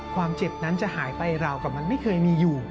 ความเจ็บนั้นจะหายไปราวกับมันไม่เคยมีอยู่